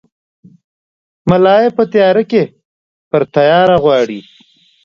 ملا ېې په تیاره کې پر تیاره غواړي!